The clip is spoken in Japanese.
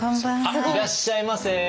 あっいらっしゃいませ！